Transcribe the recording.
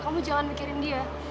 kamu jangan mikirin dia